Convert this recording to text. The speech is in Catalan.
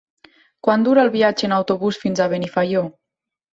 Quant dura el viatge en autobús fins a Benifaió?